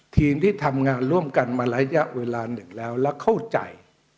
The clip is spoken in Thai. ทีมที่ทำงานร่วมกันมาระยะเวลาหนึ่งแล้วและเข้าใจ